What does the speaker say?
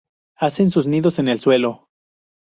Hacen sus nidos en el suelo.